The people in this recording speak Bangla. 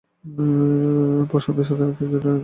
পসামদের স্বাধীনতার জন্য আমি পাহাড়টা দাবি করছি।